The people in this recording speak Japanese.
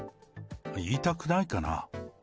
言いたくないかな。